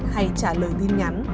hay trả lời